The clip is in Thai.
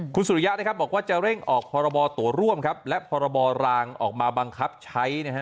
คุณสุริยะนะครับบอกว่าจะเร่งออกพรบตัวร่วมครับและพรบรางออกมาบังคับใช้นะฮะ